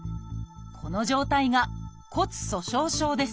この状態が骨粗しょう症です